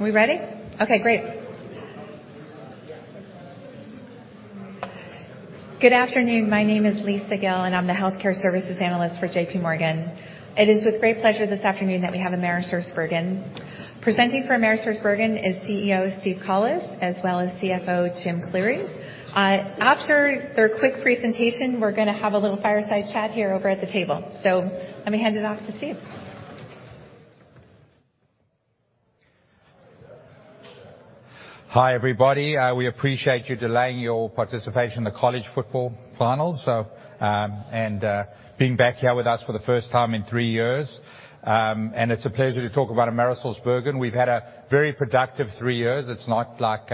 Are we ready? Okay, great. Good afternoon. My name is Lisa Gill, I'm the healthcare services analyst for J.P. Morgan. It is with great pleasure this afternoon that we have AmerisourceBergen. Presenting for AmerisourceBergen is CEO Steve Collis as well as CFO Jim Cleary. After their quick presentation, we're gonna have a little fireside chat here over at the table. Let me hand it off to Steve. Hi, everybody. We appreciate you delaying your participation in the college football finals. Being back here with us for the first time in three years. It's a pleasure to talk about AmerisourceBergen. We've had a very productive three years. It's not like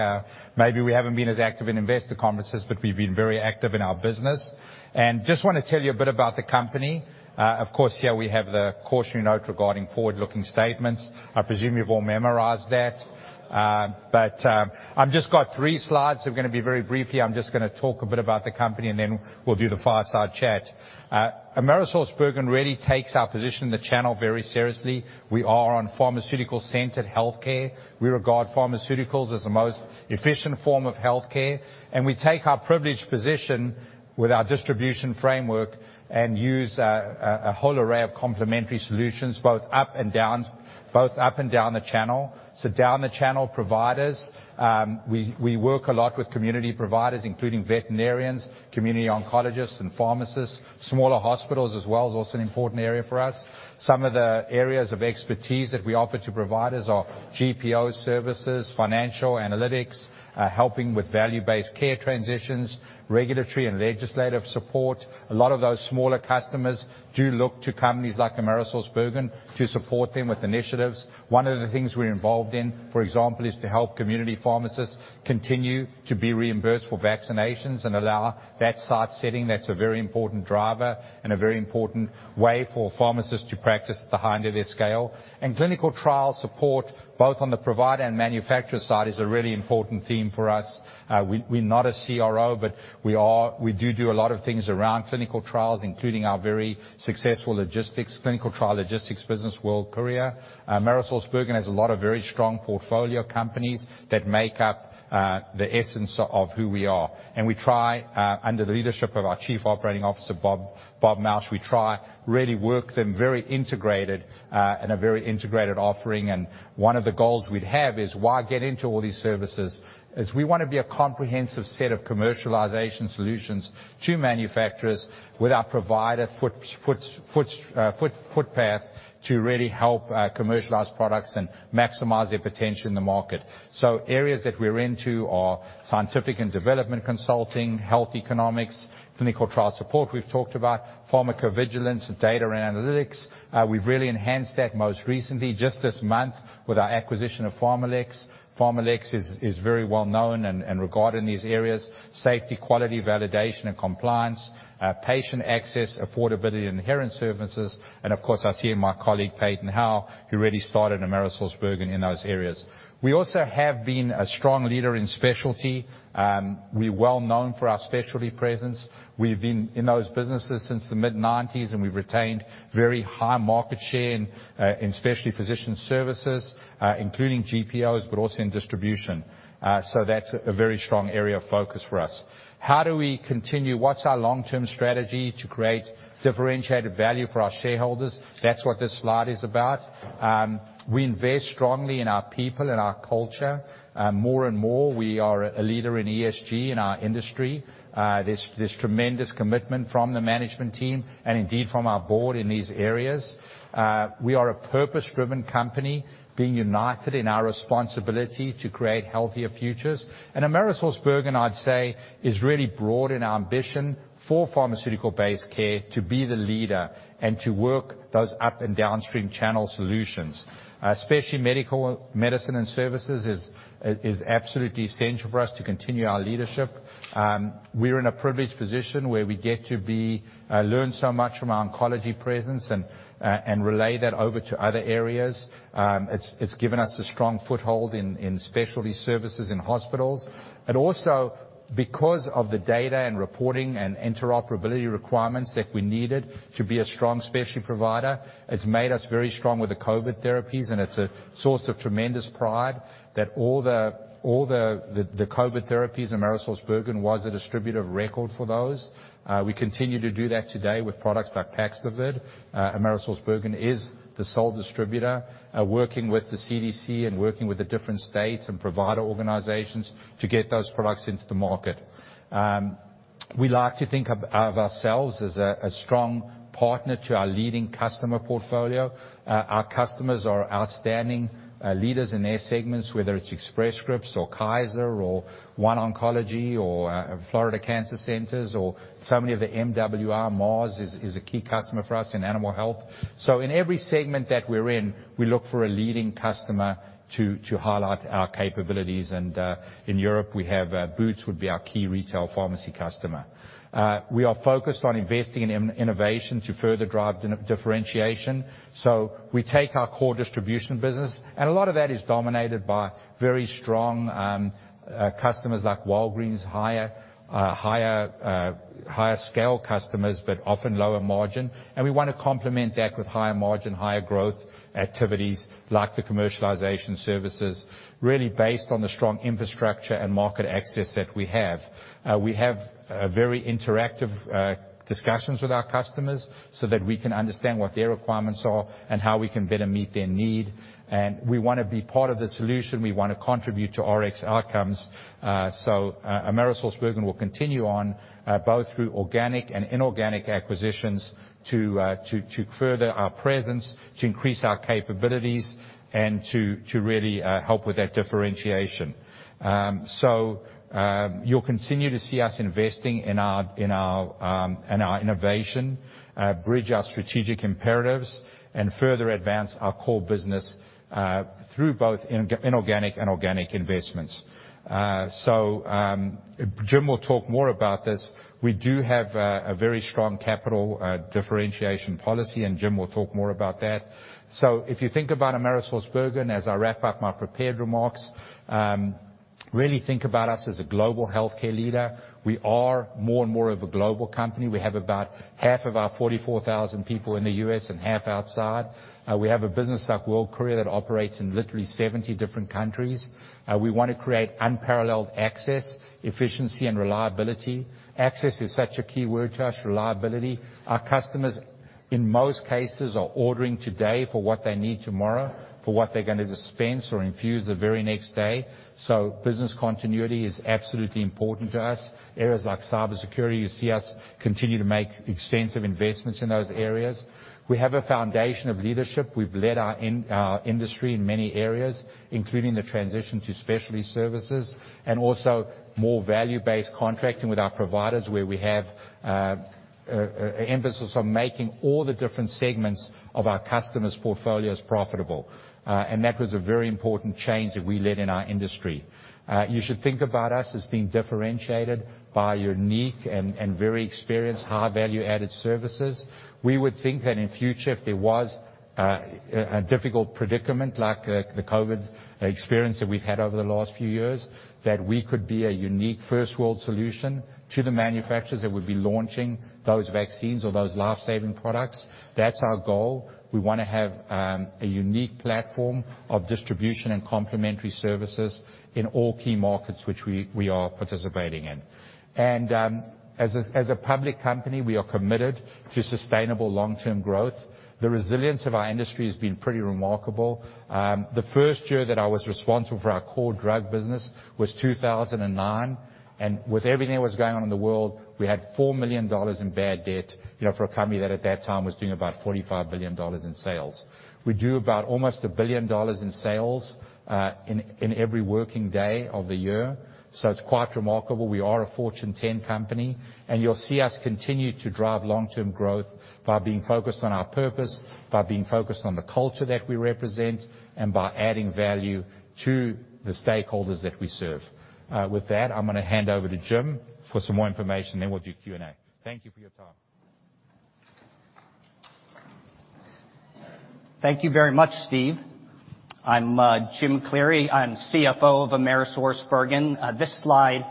maybe we haven't been as active in investor conferences, but we've been very active in our business. Just wanna tell you a bit about the company. Of course, here we have the cautionary note regarding forward-looking statements. I presume you've all memorized that. I've just got three slides. They're gonna be very brief here. I'm just gonna talk a bit about the company, and then we'll do the fireside chat. AmerisourceBergen really takes our position in the channel very seriously. We are on pharmaceutical-centered healthcare. We regard pharmaceuticals as the most efficient form of healthcare, and we take our privileged position with our distribution framework and use a whole array of complementary solutions, both up and down the channel. Down the channel providers, we work a lot with community providers, including veterinarians, community oncologists and pharmacists. Smaller hospitals as well is also an important area for us. Some of the areas of expertise that we offer to providers are GPO services, financial analytics, helping with value-based care transitions, regulatory and legislative support. A lot of those smaller customers do look to companies like AmerisourceBergen to support them with initiatives. One of the things we're involved in, for example, is to help community pharmacists continue to be reimbursed for vaccinations and allow that site setting. That's a very important driver and a very important way for pharmacists to practice at the high end of their scale. Clinical trial support, both on the provider and manufacturer side, is a really important theme for us. We're not a CRO, but we do a lot of things around clinical trials, including our very successful logistics, clinical trial logistics business, World Courier. Cencora has a lot of very strong portfolio companies that make up the essence of who we are. We try under the leadership of our Chief Operating Officer, Bob Mauch, we try really work them very integrated in a very integrated offering. One of the goals we'd have is why get into all these services? We wanna be a comprehensive set of commercialization solutions to manufacturers with our provider footpath to really help commercialize products and maximize their potential in the market. Areas that we're into are scientific and development consulting, health economics, clinical trial support we've talked about, pharmacovigilance, data and analytics. We've really enhanced that most recently just this month with our acquisition of PharmaLex. PharmaLex is very well known and regarded in these areas. Safety, quality, validation and compliance, patient access, affordability, and inheritance services. Of course, I see my colleague, Peyton Howell, who really started AmerisourceBergen in those areas. We also have been a strong leader in specialty. We're well-known for our specialty presence. We've been in those businesses since the mid-nineties, and we've retained very high market share in specialty physician services, including GPOs, but also in distribution. That's a very strong area of focus for us. How do we continue? What's our long-term strategy to create differentiated value for our shareholders? That's what this slide is about. We invest strongly in our people and our culture. More and more, we are a leader in ESG in our industry. There's tremendous commitment from the management team and indeed from our board in these areas. We are a purpose-driven company being united in our responsibility to create healthier futures. AmerisourceBergen, I'd say, is really broad in our ambition for pharmaceutical-based care to be the leader and to work those up and downstream channel solutions. Uh, especially medical, medicine and services is absolutely essential for us to continue our leadership. Um, we're in a privileged position where we get to be, uh, learn so much from our oncology presence and, uh, and relay that over to other areas. Um, it's given us a strong foothold in specialty services in hospitals. And also because of the data and reporting and interoperability requirements that we needed to be a strong specialty provider, it's made us very strong with the COVID therapies, and it's a source of tremendous pride that all the, all the, the COVID therapies, AmerisourceBergen was a distributor of record for those. Uh, we continue to do that today with products like Paxlovid. Uh, AmerisourceBergen is the sole distributor, uh, working with the CDC and working with the different states and provider organizations to get those products into the market. We like to think of ourselves as a strong partner to our leading customer portfolio. Our customers are outstanding leaders in their segments, whether it's Express Scripts or Kaiser or OneOncology or Florida Cancer Centers or so many of the MWR. Mars is a key customer for us in animal health. In every segment that we're in, we look for a leading customer to highlight our capabilities. In Europe, we have Boots would be our key retail pharmacy customer. We are focused on investing in innovation to further drive differentiation. We take our core distribution business, and a lot of that is dominated by very strong customers like Walgreens, higher scale customers, but often lower margin. We wanna complement that with higher margin, higher growth activities like the commercialization services, really based on the strong infrastructure and market access that we have. We have very interactive discussions with our customers so that we can understand what their requirements are and how we can better meet their need. We wanna be part of the solution, we wanna contribute to Rx outcomes. Cencora will continue on both through organic and inorganic acquisitions to further our presence, to increase our capabilities, and to really help with that differentiation. You'll continue to see us investing in our innovation, bridge our strategic imperatives, and further advance our core business through both inorganic and organic investments. Jim will talk more about this. We do have a very strong capital differentiation policy, and Jim will talk more about that. If you think about AmerisourceBergen, as I wrap up my prepared remarks, really think about us as a global healthcare leader. We are more and more of a global company. We have about half of our 44,000 people in the U.S. and half outside. We have a business like World Courier that operates in literally 70 different countries. We wanna create unparalleled access, efficiency and reliability. Access is such a key word to us, reliability. Our customers, in most cases, are ordering today for what they need tomorrow, for what they're gonna dispense or infuse the very next day. Business continuity is absolutely important to us. Areas like cybersecurity, you see us continue to make extensive investments in those areas. We have a foundation of leadership. We've led our industry in many areas, including the transition to specialty services, and also more value-based contracting with our providers, where we have a emphasis on making all the different segments of our customers' portfolios profitable. That was a very important change that we led in our industry. You should think about us as being differentiated by unique and very experienced high value-added services. We would think that in future, if there was a difficult predicament like the COVID experience that we've had over the last few years, that we could be a unique first world solution to the manufacturers that would be launching those vaccines or those life-saving products. That's our goal. We wanna have a unique platform of distribution and complementary services in all key markets which we are participating in. As a public company, we are committed to sustainable long-term growth. The resilience of our industry has been pretty remarkable. The first year that I was responsible for our core drug business was 2009, and with everything that was going on in the world, we had $4 million in bad debt, you know, for a company that at that time was doing about $45 billion in sales. We do about almost $1 billion in sales in every working day of the year, so it's quite remarkable. We are a Fortune 10 company, you'll see us continue to drive long-term growth by being focused on our purpose, by being focused on the culture that we represent, and by adding value to the stakeholders that we serve. With that, I'm gonna hand over to Jim for some more information. We'll do Q&A. Thank you for your time. Thank you very much, Steve. I'm Jim Cleary. I'm CFO of AmerisourceBergen. This slide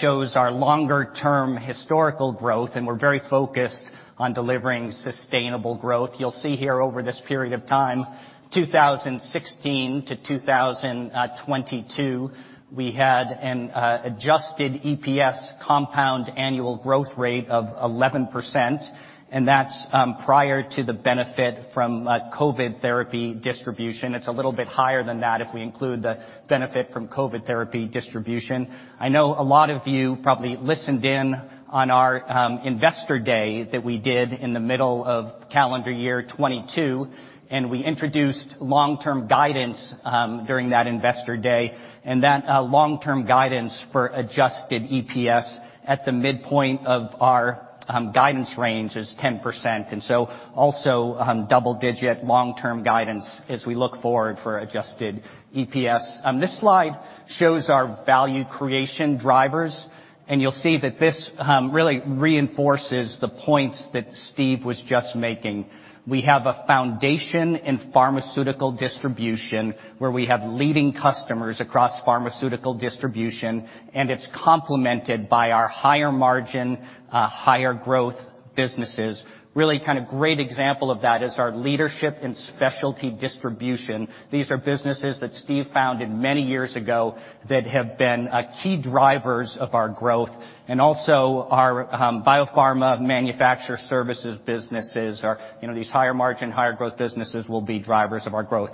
shows our longer-term historical growth, and we're very focused on delivering sustainable growth. You'll see here over this period of time, 2016 to 2022, we had an adjusted EPS compound annual growth rate of 11%, and that's prior to the benefit from COVID therapy distribution. It's a little bit higher than that if we include the benefit from COVID therapy distribution. I know a lot of you probably listened in on our investor day that we did in the middle of calendar year 2022, and we introduced long-term guidance during that investor day. That long-term guidance for adjusted EPS at the midpoint of our guidance range is 10%, also double-digit long-term guidance as we look forward for adjusted EPS. This slide shows our value creation drivers, you'll see that this really reinforces the points that Steve was just making. We have a foundation in pharmaceutical distribution where we have leading customers across pharmaceutical distribution, it's complemented by our higher-margin, higher-growth businesses. Really kind of great example of that is our leadership in specialty distribution. These are businesses that Steve founded many years ago that have been key drivers of our growth. Our biopharma manufacturer services businesses. You know, these higher-margin, higher-growth businesses will be drivers of our growth.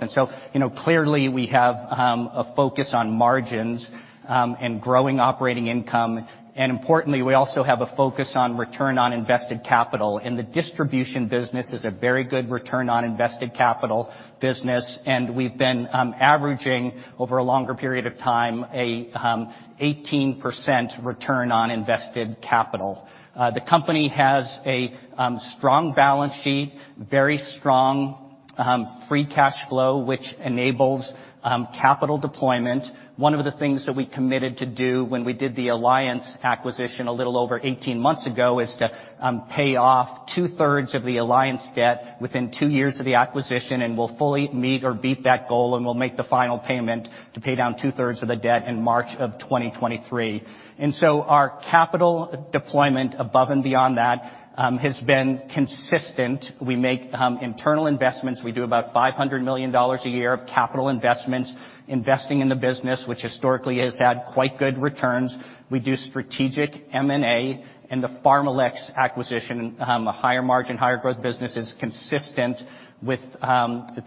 You know, clearly, we have a focus on margins and growing operating income. Importantly, we also have a focus on return on invested capital, and the distribution business is a very good return on invested capital business, and we've been averaging over a longer period of time a 18% return on invested capital. The company has a strong balance sheet, very strong Free cash flow, which enables capital deployment. One of the things that we committed to do when we did the Alliance acquisition a little over 18 months ago is to pay off two-thirds of the Alliance debt within 2 years of the acquisition, and we'll fully meet or beat that goal, and we'll make the final payment to pay down two-thirds of the debt in March of 2023. Our capital deployment above and beyond that has been consistent. We make internal investments. We do about $500 million a year of capital investments, investing in the business, which historically has had quite good returns. We do strategic M&A, and the PharmaLex acquisition, a higher margin, higher growth business is consistent with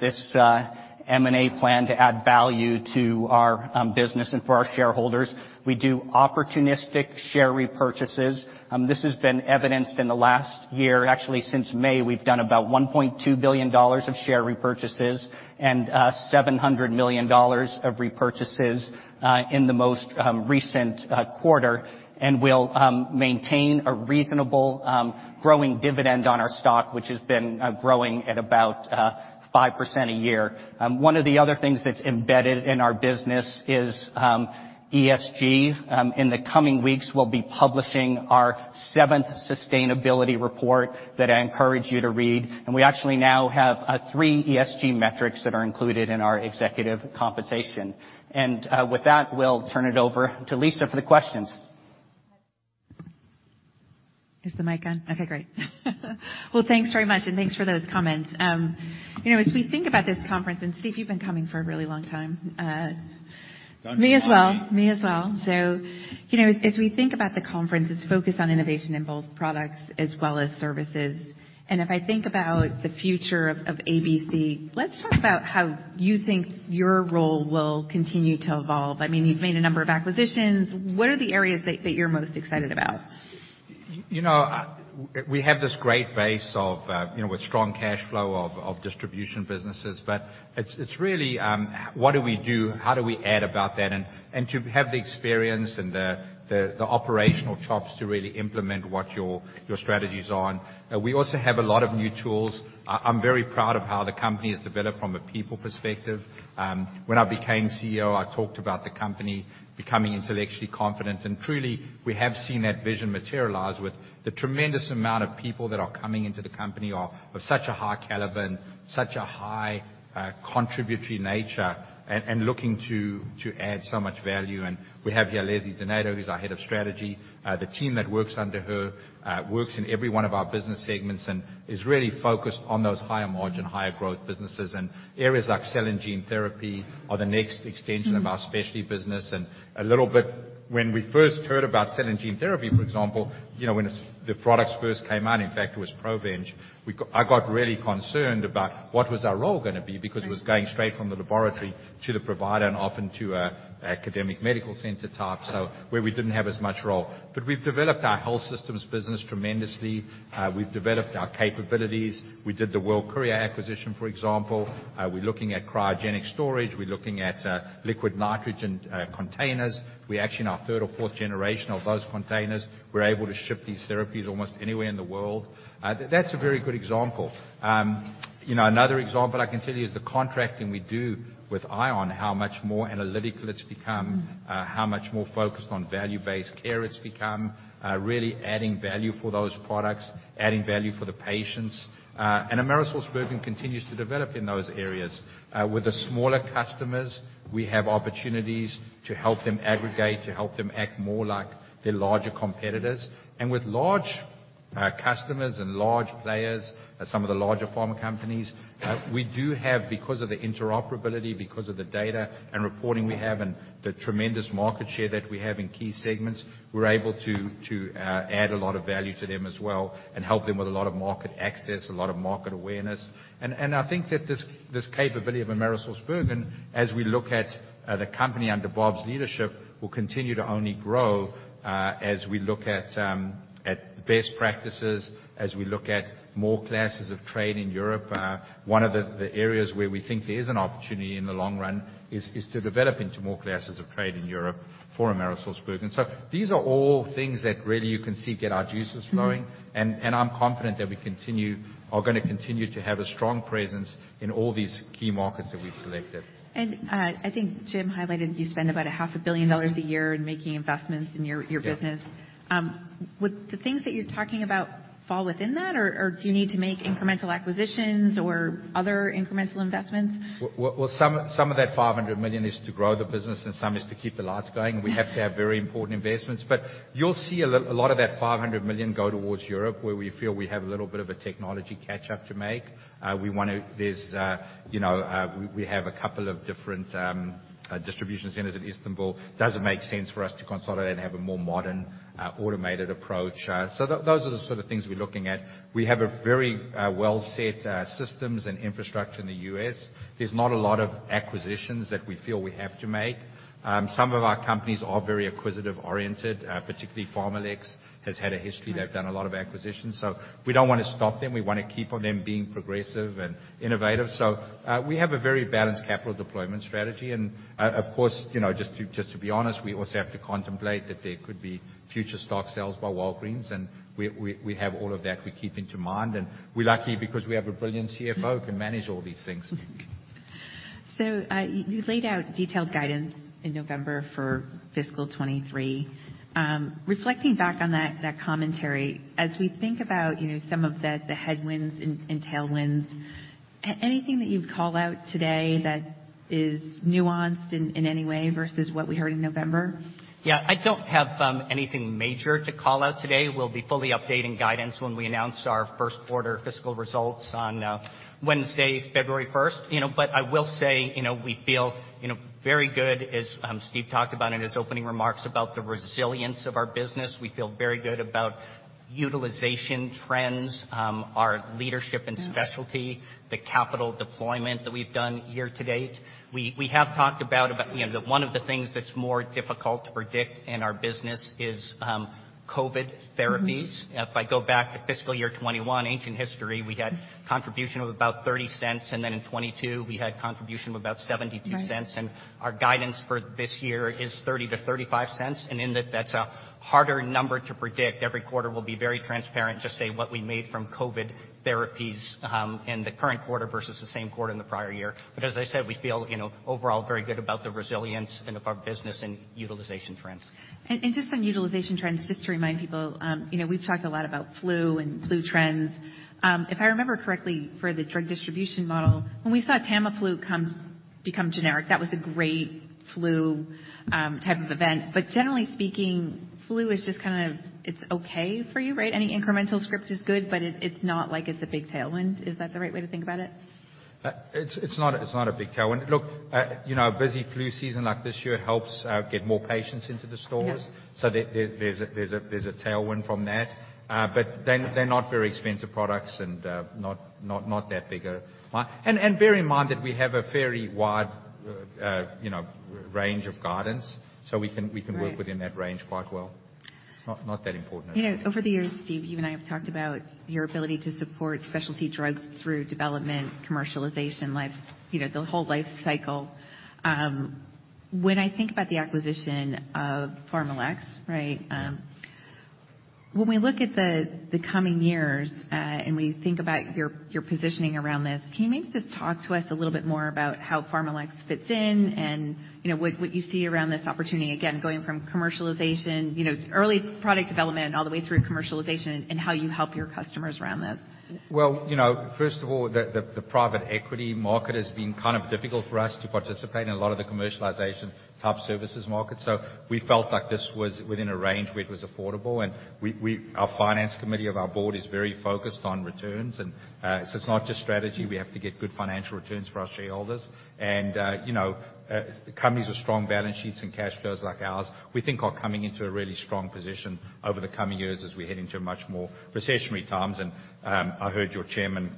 this M&A plan to add value to our business and for our shareholders. We do opportunistic share repurchases. This has been evidenced in the last year. Actually, since May, we've done about $1.2 billion of share repurchases and $700 million of repurchases in the most recent quarter. We'll maintain a reasonable growing dividend on our stock, which has been growing at about 5% a year. One of the other things that's embedded in our business is ESG. In the coming weeks, we'll be publishing our seventh sustainability report that I encourage you to read. We actually now have three ESG metrics that are included in our executive compensation. With that, we'll turn it over to Lisa for the questions. Is the mic on? Okay, great. Thanks very much, and thanks for those comments. you know, as we think about this conference, and Steve, you've been coming for a really long time. Don't remind me. Me as well, me as well. You know, as we think about the conference, it's focused on innovation in both products as well as services. If I think about the future of Cencora, let's talk about how you think your role will continue to evolve. I mean, you've made a number of acquisitions. What are the areas that you're most excited about? You know, we have this great base of, you know, with strong cash flow of distribution businesses. It's really, what do we do? How do we add about that? To have the experience and the operational chops to really implement what your strategies are. We also have a lot of new tools. I'm very proud of how the company has developed from a people perspective. When I became CEO, I talked about the company becoming intellectually confident. Truly, we have seen that vision materialize with the tremendous amount of people that are coming into the company are of such a high caliber and such a high, contributory nature and looking to add so much value. We have here Leslie Donato, who's our head of strategy. The team that works under her, works in every one of our business segments and is really focused on those higher margin, higher growth businesses. Areas like cell and gene therapy are the next extension of our specialty business. A little bit when we first heard about cell and gene therapy, for example, you know, when the products first came out, in fact, it was PROVENGE. I got really concerned about what was our role gonna be because it was going straight from the laboratory to the provider and often to a academic medical center type, so where we didn't have as much role. We've developed our health systems business tremendously. We've developed our capabilities. We did the World Courier acquisition, for example. We're looking at cryogenic storage. We're looking at liquid nitrogen containers. We're actually in our third or fourth generation of those containers. We're able to ship these therapies almost anywhere in the world. That's a very good example. You know, another example I can tell you is the contracting we do with ION, how much more analytical it's become. Mm. How much more focused on value-based care it's become, really adding value for those products, adding value for the patients. AmerisourceBergen continues to develop in those areas. With the smaller customers, we have opportunities to help them aggregate, to help them act more like their larger competitors. With large customers and large players, some of the larger pharma companies, we do have because of the interoperability, because of the data and reporting we have and the tremendous market share that we have in key segments, we're able to add a lot of value to them as well and help them with a lot of market access, a lot of market awareness. I think that this capability of Cencora, as we look at the company under Bob's leadership, will continue to only grow as we look at best practices, as we look at more classes of trade in Europe. One of the areas where we think there is an opportunity in the long run is to develop into more classes of trade in Europe for Cencora. These are all things that really you can see get our juices flowing. Mm-hmm. I'm confident that we are gonna continue to have a strong presence in all these key markets that we've selected. I think Jim highlighted you spend about a half a billion dollars a year in making investments in your business. Yes. Would the things that you're talking about fall within that, or do you need to make incremental acquisitions or other incremental investments? Some of that $500 million is to grow the business and some is to keep the lights going. We have to have very important investments. You'll see a lot of that $500 million go towards Europe, where we feel we have a little bit of a technology catch-up to make. We wanna... There's, you know, we have a couple of different distribution centers in Istanbul. Doesn't make sense for us to consolidate and have a more modern, automated approach. Those are the sort of things we're looking at. We have a very well set systems and infrastructure in the U.S. There's not a lot of acquisitions that we feel we have to make. Some of our companies are very acquisitive-oriented, particularly PharmaLex has had a history. Right. They've done a lot of acquisitions. We don't wanna stop them. We wanna keep on them being progressive and innovative. We have a very balanced capital deployment strategy. Of course, you know, just to be honest, we also have to contemplate that there could be future stock sales by Walgreens, and we have all of that we keep into mind. We're lucky because we have a brilliant CFO who can manage all these things. You laid out detailed guidance in November for fiscal 2023. Reflecting back on that commentary, as we think about, you know, some of the headwinds and tailwinds, anything that you'd call out today that is nuanced in any way versus what we heard in November? Yeah. I don't have anything major to call out today. We'll be fully updating guidance when we announce our 1st quarter fiscal results on Wednesday, February 1st. I will say, you know, we feel, you know, very good, as Steve talked about in his opening remarks, about the resilience of our business. We feel very good about utilization trends, our leadership and specialty. Mm-hmm. The capital deployment that we've done year to date. We have talked about, you know, one of the things that's more difficult to predict in our business is COVID therapies. Mm-hmm. If I go back to fiscal year 2021, ancient history- Mm-hmm. We had contribution of about $0.30, and then in 2022, we had contribution of about $0.72. Right. Our guidance for this year is $0.30-$0.35. In that's a harder number to predict. Every quarter we'll be very transparent, just say what we made from COVID therapies in the current quarter versus the same quarter in the prior year. As I said, we feel, you know, overall, very good about the resilience and of our business and utilization trends. Just on utilization trends, just to remind people, you know, we've talked a lot about flu and flu trends. If I remember correctly, for the drug distribution model, when we saw Tamiflu come, become generic, that was a great flu, type of event. Generally speaking, flu is just kind of, it's okay for you, right? Any incremental script is good, but it's not like it's a big tailwind. Is that the right way to think about it? It's not a big tailwind. Look, you know, a busy flu season like this year helps, get more patients into the stores. Yeah. There, there's a tailwind from that. But they're not very expensive products and, not that big of... Bear in mind that we have a very wide, you know, range of guidance, so we can work- Right. Within that range quite well. It's not that important. You know, over the years, Steve, you and I have talked about your ability to support specialty drugs through development, commercialization, life, you know, the whole life cycle. When I think about the acquisition of PharmaLex, right? Yeah. When we look at the coming years, and we think about your positioning around this, can you maybe just talk to us a little bit more about how PharmaLex fits in and, you know, what you see around this opportunity? Again, going from commercialization, you know, early product development all the way through commercialization and how you help your customers around this. Well, you know, first of all, the private equity market has been kind of difficult for us to participate in a lot of the commercialization type services market. We felt like this was within a range where it was affordable. Our finance committee of our board is very focused on returns. It's not just strategy. Mm-hmm. We have to get good financial returns for our shareholders. You know, companies with strong balance sheets and cash flows like ours, we think are coming into a really strong position over the coming years as we head into a much more recessionary times. I heard your chairman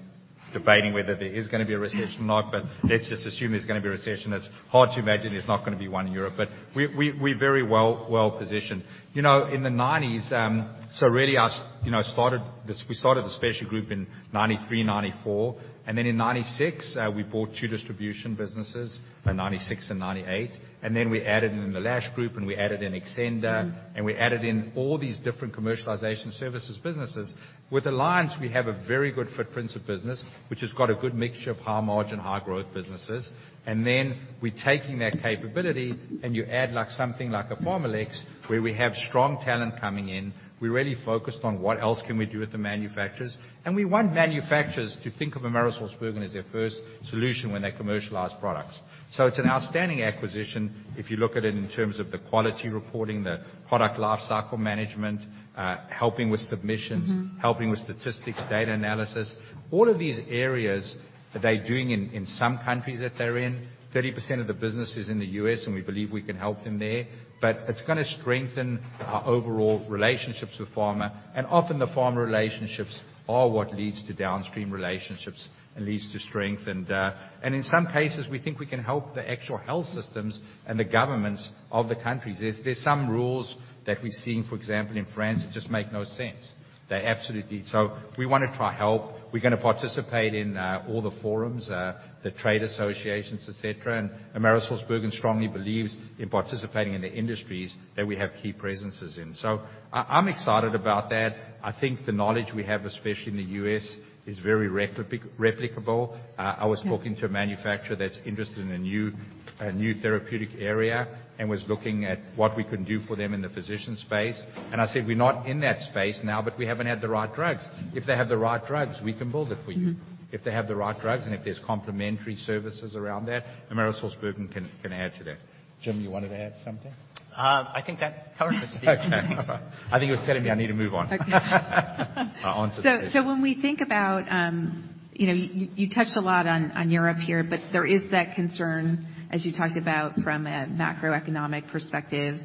debating whether there is gonna be a recession or not, but let's just assume there's gonna be a recession. It's hard to imagine there's not gonna be one in Europe. We're very well-positioned. You know, in the nineties, so really, you know, started this, we started the specialty group in 1993, 1994. Then in 1996, we bought two distribution businesses in 1996 and 1998. Then we added in the Lash Group, and we added in Xcenda. Mm-hmm. We added in all these different commercialization services businesses. With Alliance, we have a very good footprint of business, which has got a good mixture of high margin, high growth businesses. We're taking that capability, and you add like something like a PharmaLex, where we have strong talent coming in. We're really focused on what else can we do with the manufacturers. We want manufacturers to think of AmerisourceBergen as their first solution when they commercialize products. It's an outstanding acquisition if you look at it in terms of the quality reporting, the product lifecycle management, helping with submissions. Mm-hmm. Helping with statistics, data analysis. All of these areas that they're doing in some countries that they're in. 30% of the business is in the U.S. We believe we can help them there. It's gonna strengthen our overall relationships with pharma. Often the pharma relationships are what leads to downstream relationships and leads to strength. In some cases, we think we can help the actual health systems and the governments of the countries. There's some rules that we're seeing, for example, in France, that just make no sense. We wanna try help. We're gonna participate in all the forums, the trade associations, et cetera. trongly believes in participating in the industries that we have key presences in. I'm excited about that. I think the knowledge we have, especially in the US, is very replicable. Yeah. I was talking to a manufacturer that's interested in a new, a new therapeutic area and was looking at what we can do for them in the physician space. I said, "We're not in that space now, but we haven't had the right drugs. If they have the right drugs, we can build it for you. Mm-hmm. If they have the right drugs and if there's complementary services around that, AmerisourceBergen can add to that. Jim, you wanted to add something? I think that covers it, Steve. Okay. I thought you were telling me I need to move on. Okay. On to- When we think about, you know, you touched a lot on Europe here, but there is that concern, as you talked about from a macroeconomic perspective.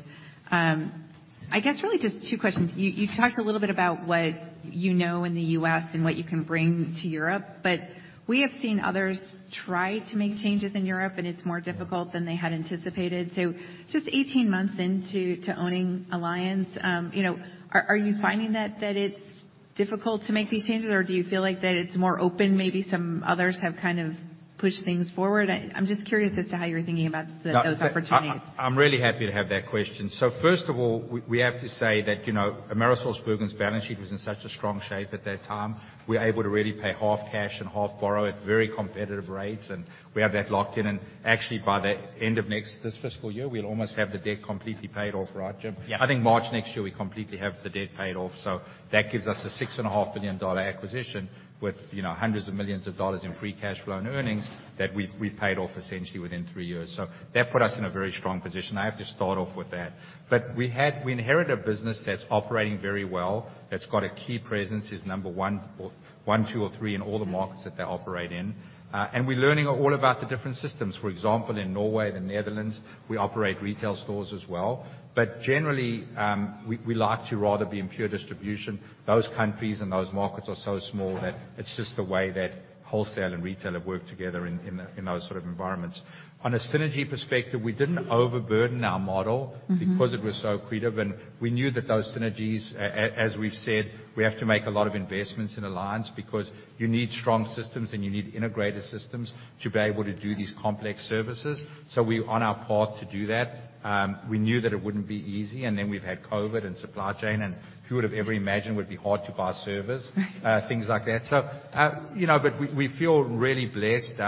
I guess really just two questions? You talked a little bit about what you know in the U.S. and what you can bring to Europe, but we have seen others try to make changes in Europe, and it's more difficult than they had anticipated. Just 18 months into owning Alliance, you know, are you finding that it's difficult to make these changes or do you feel like that it's more open, maybe some others have kind of pushed things forward? I'm just curious as to how you're thinking about those opportunities. I'm really happy to have that question. First of all, we have to say that, you know, AmerisourceBergen's balance sheet was in such a strong shape at that time. We're able to really pay half cash and half borrow at very competitive rates, and we have that locked in. Actually, by the end of this fiscal year, we'll almost have the debt completely paid off. Right, Jim? Yeah. I think March next year, we completely have the debt paid off. That gives us a $6.5 billion acquisition with, you know, hundreds of millions of dollars in free cash flow and earnings that we've paid off essentially within three years. That put us in a very strong position. I have to start off with that. We inherited a business that's operating very well, that's got a key presence, is number one or one, two or three in all the markets that they operate in. We're learning all about the different systems. For example, in Norway, the Netherlands, we operate retail stores as well. Generally, we like to rather be in pure distribution. Those countries and those markets are so small that it's just the way that wholesale and retail have worked together in those sort of environments. On a synergy perspective, we didn't overburden our model. Mm-hmm. Because it was so accretive, and we knew that those synergies, as we've said, we have to make a lot of investments in Alliance because you need strong systems, and you need integrated systems to be able to do these complex services. We're on our path to do that. We knew that it wouldn't be easy, and then we've had COVID and supply chain, and who would have ever imagined it would be hard to buy servers, things like that. You know, but we feel really blessed.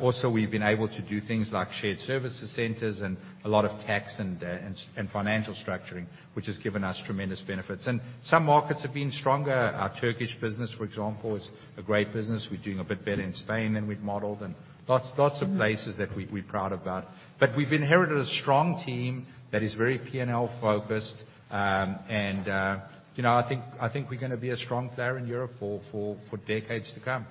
Also, we've been able to do things like shared services centers and a lot of tax and financial structuring, which has given us tremendous benefits. Some markets have been stronger. Our Turkish business, for example, is a great business. We're doing a bit better in Spain than we'd modeled and lots of places that we're proud about. We've inherited a strong team that is very P&L focused. You know, I think we're gonna be a strong player in Europe for decades to come.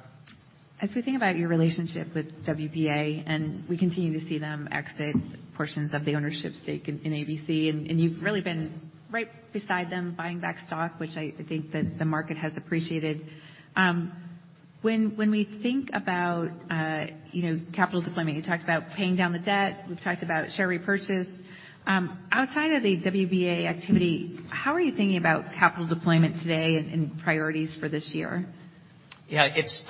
As we think about your relationship with WBA, and we continue to see them exit portions of the ownership stake in AmerisourceBergen, and you've really been right beside them buying back stock, which I think that the market has appreciated. When we think about, you know, capital deployment, you talked about paying down the debt. We've talked about share repurchase. Outside of the WBA activity, how are you thinking about capital deployment today and priorities for this year? It's,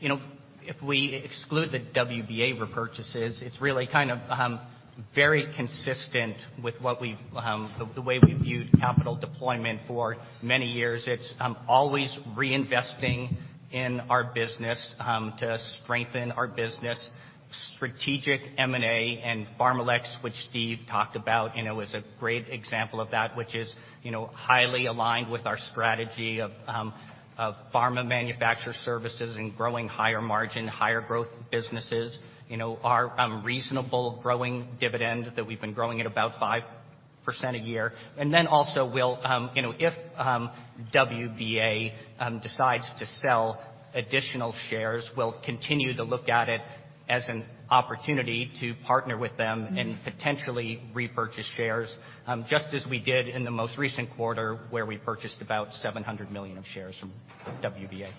you know, if we exclude the WBA repurchases, it's really kind of, very consistent with what we've, the way we've viewed capital deployment for many years. It's always reinvesting in our business to strengthen our business. Strategic M&A and PharmaLex, which Steve talked about, you know, is a great example of that, which is, you know, highly aligned with our strategy of pharma manufacturer services and growing higher margin, higher growth businesses. You know, our reasonable growing dividend that we've been growing at about 5% a year. Also we'll, you know, if WBA decides to sell additional shares, we'll continue to look at it as an opportunity to partner with them and potentially repurchase shares, just as we did in the most recent quarter, where we purchased about $700 million of shares from WBA.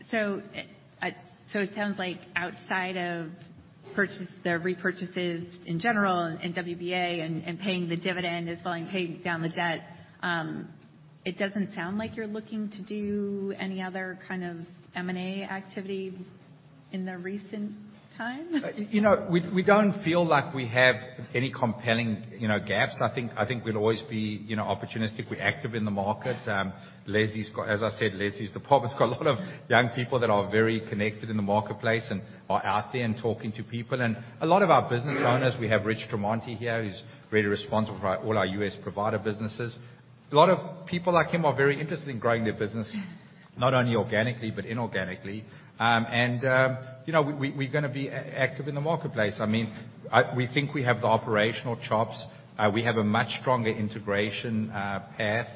It sounds like outside of the repurchases in general and WBA and paying the dividend as well, and paying down the debt, it doesn't sound like you're looking to do any other kind of M&A activity in the recent time? You know, we don't feel like we have any compelling, you know, gaps. I think, we'll always be, you know, opportunistic. We're active in the market. Leslie's department's got a lot of young people that are very connected in the marketplace and are out there and talking to people. A lot of our business owners, we have Richard Tremonte here, who's really responsible for all our U.S. provider businesses. A lot of people like him are very interested in growing their business, not only organically, but inorganically. You know, we're gonna be active in the marketplace. I mean, we think we have the operational chops. We have a much stronger integration path.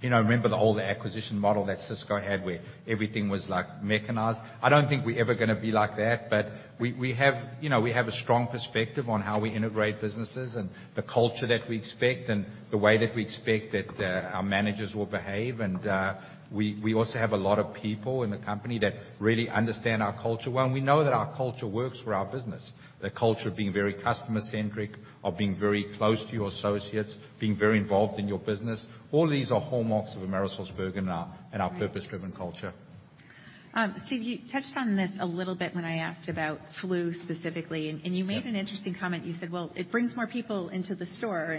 You know, remember the old acquisition model that Cisco had, where everything was, like, mechanized. I don't think we're ever gonna be like that, but we have, you know, we have a strong perspective on how we integrate businesses and the culture that we expect and the way that we expect that our managers will behave. We also have a lot of people in the company that really understand our culture well, and we know that our culture works for our business. The culture of being very customer-centric, of being very close to your associates, being very involved in your business, all these are hallmarks of AmerisourceBergen and our purpose-driven culture. Steve, you touched on this a little bit when I asked about flu specifically, and you made an interesting comment. You said, "Well, it brings more people into the store."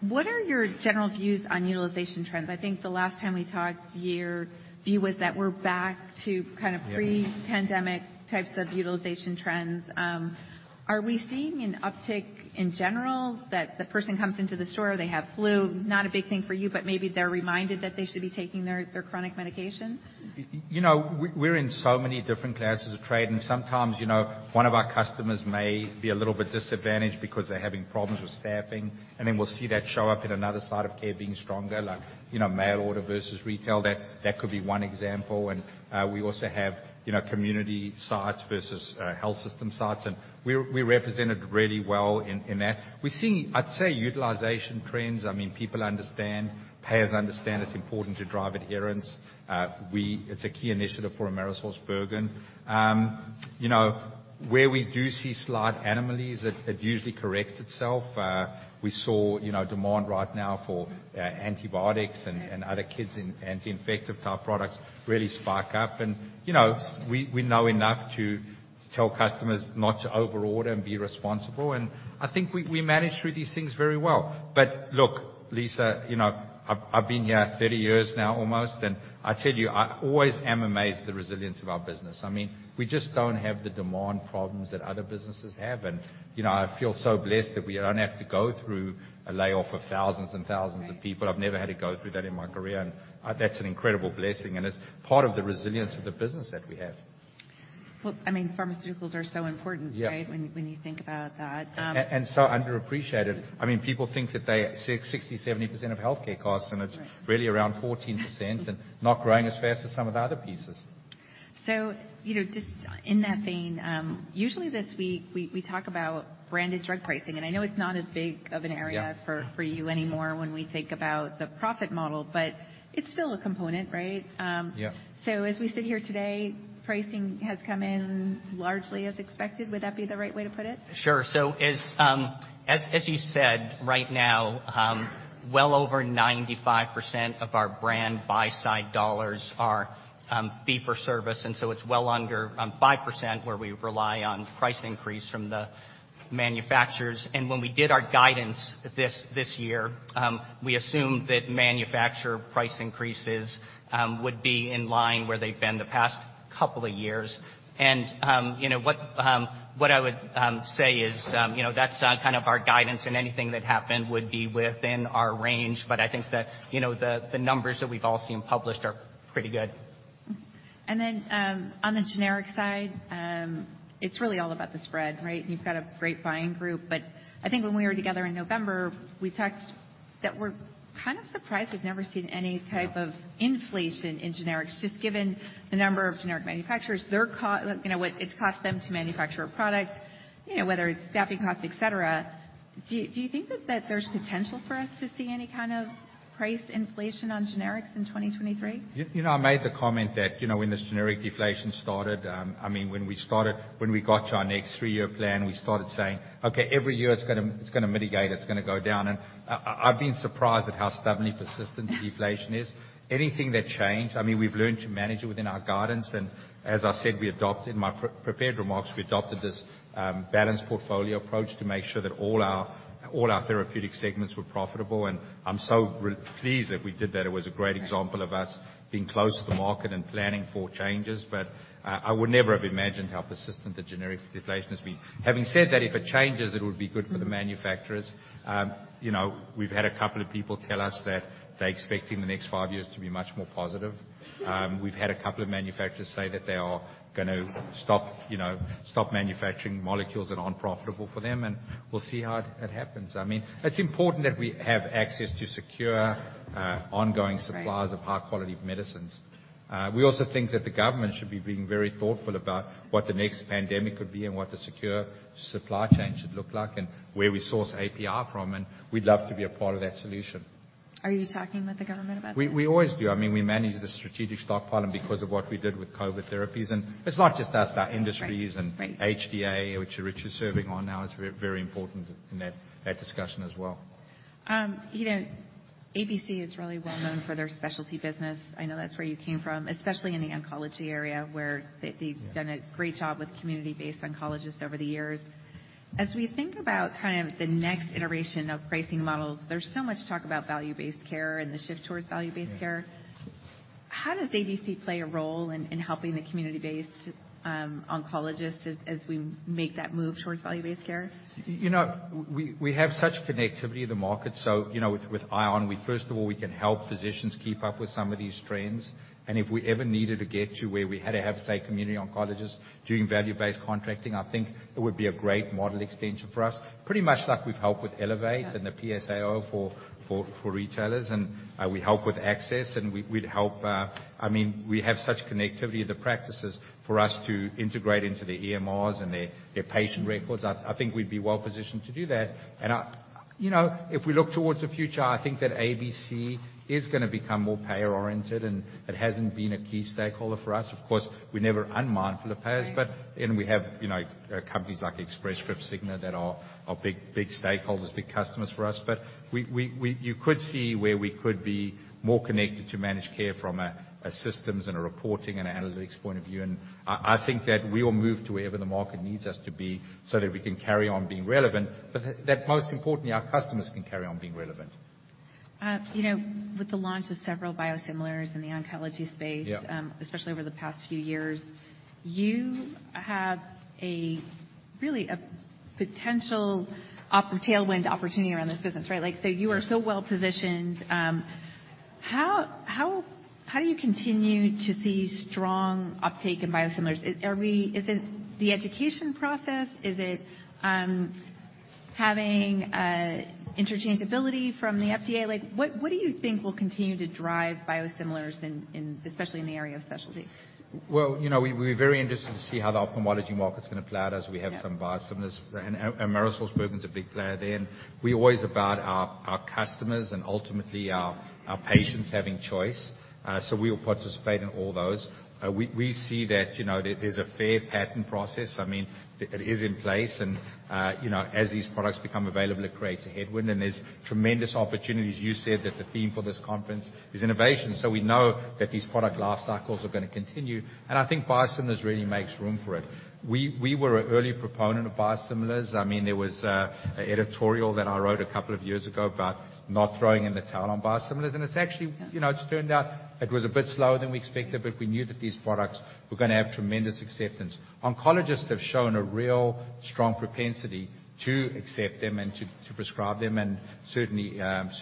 What are your general views on utilization trends? I think the last time we talked, your view was that we're back to kind of pre-pandemic types of utilization trends. Are we seeing an uptick in general that the person comes into the store, they have flu, not a big thing for you, but maybe they're reminded that they should be taking their chronic medication? You know, we're in so many different classes of trade. Sometimes, you know, one of our customers may be a little bit disadvantaged because they're having problems with staffing. Then we'll see that show up in another side of care being stronger, like, you know, mail order versus retail. That could be 1 example. We also have, you know, community sites versus health system sites, and we're represented really well in that. We're seeing, I'd say utilization trends. I mean, people understand, payers understand it's important to drive adherence. It's a key initiative for AmerisourceBergen. You know, where we do see slight anomalies, it usually corrects itself. We saw, you know, demand right now for antibiotics and other kids' in-infective type products really spike up. You know, we know enough to tell customers not to overorder and be responsible. I think we managed through these things very well. Look, Lisa, you know, I've been here 30 years now almost, and I tell you, I always am amazed at the resilience of our business. I mean, we just don't have the demand problems that other businesses have, and, you know, I feel so blessed that we don't have to go through a layoff of thousands and thousands of people. Right. I've never had to go through that in my career, and that's an incredible blessing, and it's part of the resilience of the business that we have. Well, I mean, pharmaceuticals are so important, right? Yeah. When you think about that. So underappreciated. I mean, people think that 60%, 70% of healthcare costs, and it's. Right ...really around 14%. Not growing as fast as some of the other pieces. You know, just in that vein, usually this week we talk about branded drug pricing. I know it's not as big of an area- Yeah ...for you anymore when we think about the profit model, but it's still a component, right? Yeah. As we sit here today, pricing has come in largely as expected. Would that be the right way to put it? Sure. As you said, right now, well over 95% of our brand buy-side dollars are fee for service, it's well under 5% where we rely on price increase from the manufacturers. When we did our guidance this year, we assumed that manufacturer price increases would be in line where they've been the past couple of years. You know what I would say is, you know, that's kind of our guidance, and anything that happened would be within our range. I think that, you know, the numbers that we've all seen published are pretty good. Then on the generic side, it's really all about the spread, right? You've got a great buying group. I think when we were together in November, we talked that we're kind of surprised we've never seen any type of inflation in generics, just given the number of generic manufacturers. You know what it costs them to manufacture a product, you know, whether it's staffing costs, et cetera. Do you think that there's potential for us to see any kind of price inflation on generics in 2023? You know, I made the comment that, you know, when this generic deflation started, I mean, when we got to our next three-year plan, we started saying, "Okay, every year it's gonna, it's gonna mitigate, it's gonna go down." I've been surprised at how stubbornly persistent deflation is. Anything that changed, I mean, we've learned to manage it within our guidance. As I said, we adopted, in my prepared remarks, we adopted this, balanced portfolio approach to make sure that all our therapeutic segments were profitable. I'm so pleased that we did that. It was a great example of us being close to the market and planning for changes. I would never have imagined how persistent the generic deflation has been. Having said that, if it changes, it would be good for the manufacturers. You know, we've had a couple of people tell us that they're expecting the next five years to be much more positive. We've had a couple of manufacturers say that they are gonna stop manufacturing molecules that aren't profitable for them. We'll see how it happens. I mean, it's important that we have access to secure, ongoing suppliers. Right ...of high-quality medicines. We also think that the government should be being very thoughtful about what the next pandemic could be and what the secure supply chain should look like and where we source API from. We'd love to be a part of that solution. Are you talking with the government about that? We always do. I mean, we manage the strategic stockpile and because of what we did with COVID therapies. It's not just us, our industries- Right, right. HDA, which Rich is serving on now, is very, very important in that discussion as well. you know, AmerisourceBergen is really well known for their specialty business. I know that's where you came from, especially in the oncology area. Yeah they've done a great job with community-based oncologists over the years. As we think about kind of the next iteration of pricing models, there's so much talk about value-based care and the shift towards value-based care. Yeah. How does AmerisourceBergen play a role in helping the community-based oncologists as we make that move towards value-based care? You know, we have such connectivity to the market. You know, with ION, we first of all can help physicians keep up with some of these trends. If we ever needed to get to where we had to have, say, community oncologists doing value-based contracting, I think it would be a great model extension for us. Pretty much like we've helped with Elevate. Yeah ...and the PSAO for retailers. We help with access, and we'd help. I mean, we have such connectivity to the practices for us to integrate into their EMRs and their patient records. I think we'd be well positioned to do that. I, you know, if we look towards the future, I think that AmerisourceBergen is gonna become more payer-oriented. It hasn't been a key stakeholder for us. Of course, we're never unmindful of payers. Right. and we have, you know, companies like Express Scripts, Cigna, that are big stakeholders, big customers for us. You could see where we could be more connected to managed care from a systems and a reporting and analytics point of view. I think that we will move to wherever the market needs us to be so that we can carry on being relevant, but that most importantly, our customers can carry on being relevant. You know, with the launch of several biosimilars in the oncology space. Yeah ...especially over the past few years, you have a really potential tailwind opportunity around this business, right? You are so well positioned. How do you continue to see strong uptake in biosimilars? Is it the education process? Is it having interchangeability from the FDA? What do you think will continue to drive biosimilars in especially in the area of specialty? Well, you know, we're very interested to see how the ophthalmology market's gonna play out as we have some biosimilars. Yeah. AmerisourceBergen's a big player there. We're always about our customers and ultimately our patients having choice. We'll participate in all those. We see that, you know, there's a fair patent process. I mean, it is in place and, you know, as these products become available, it creates a headwind, and there's tremendous opportunities. You said that the theme for this conference is innovation, so we know that these product life cycles are gonna continue, and I think biosimilars really makes room for it. We were an early proponent of biosimilars. I mean, there was a editorial that I wrote a couple of two years ago about not throwing in the towel on biosimilars. Yeah. You know, it's turned out, it was a bit slower than we expected, but we knew that these products were gonna have tremendous acceptance. Oncologists have shown a real strong propensity to accept them and to prescribe them. Certainly,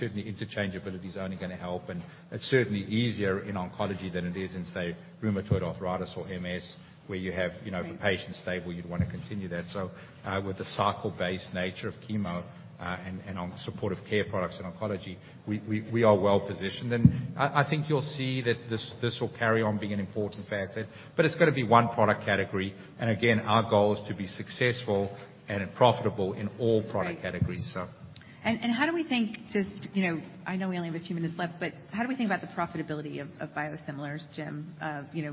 certainly interchangeability is only gonna help. It's certainly easier in oncology than it is in, say, rheumatoid arthritis or MS, where you have, you know- Right. The patient's stable, you'd wanna continue that. With the cycle-based nature of chemo, and on supportive care products in oncology, we are well positioned. I think you'll see that this will carry on being an important facet, but it's gotta be one product category. Again, our goal is to be successful and profitable in all product categories. Great. So... How do we think just, you know, I know we only have a few minutes left, but how do we think about the profitability of biosimilars, Jim? You know,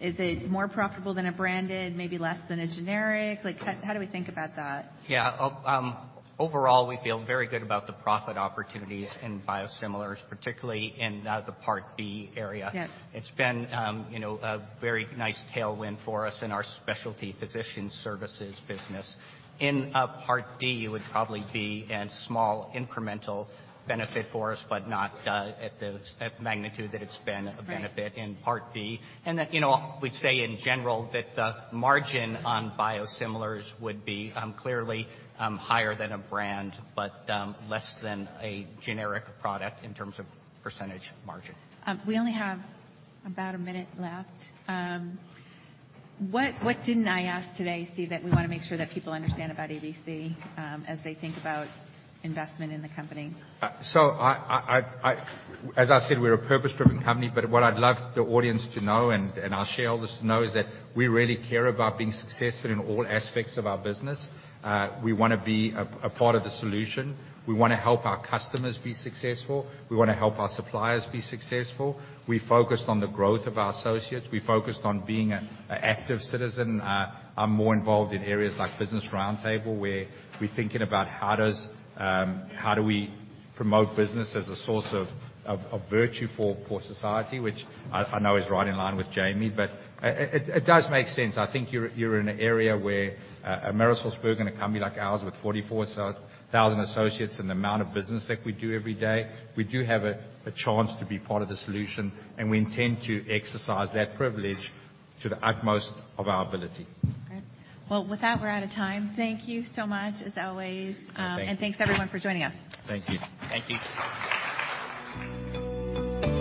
is it more profitable than a branded, maybe less than a generic? Like, how do we think about that? Yeah. overall, we feel very good about the profit opportunities in biosimilars, particularly in the Part B area. Yeah. It's been, you know, a very nice tailwind for us in our specialty physician services business. In Part D, it would probably be a small incremental benefit for us, but not at the magnitude that it's been. Right. A benefit in Part D. That, you know, we'd say, in general, that the margin on biosimilars would be clearly higher than a brand, but less than a generic product in terms of percentage margin. We only have about a minute left. What didn't I ask today, Steve, that we want to make sure that people understand about AmerisourceBergen as they think about investment in the company? As I said, we're a purpose-driven company, but what I'd love the audience to know and our shareholders to know is that we really care about being successful in all aspects of our business. We wanna be a part of the solution. We wanna help our customers be successful. We wanna help our suppliers be successful. We focused on the growth of our associates. We focused on being an active citizen. I'm more involved in areas like Business Roundtable, where we're thinking about how do we promote business as a source of virtue for society, which I know is right in line with Jamie. It does make sense. I think you're in an area where a AmerisourceBergen, a company like ours with 44 thousand associates and the amount of business that we do every day, we do have a chance to be part of the solution. We intend to exercise that privilege to the utmost of our ability. Great. Well, with that, we're out of time. Thank you so much as always. Thank you. Thanks everyone for joining us. Thank you. Thank you.